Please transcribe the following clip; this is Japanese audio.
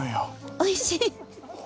おいしい？